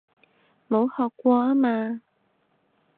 冇學過吖嘛